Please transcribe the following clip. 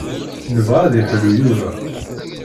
Nebɣa ad yeḥlu Yuba.